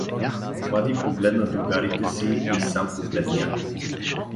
Влади погледна другарите си и сам побледня.